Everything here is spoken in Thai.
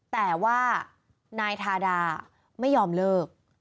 แต่ว่านายทาดาไม่ยอมเลิก